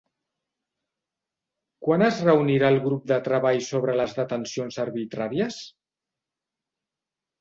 Quan es reunirà el Grup de Treball sobre les Detencions Arbitràries?